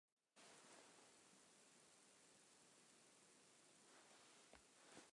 It radically altered the method of recording and registering land under freehold title.